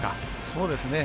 そうですね。